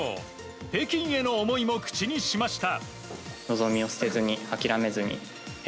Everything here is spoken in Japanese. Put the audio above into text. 北京への思いも口にしました。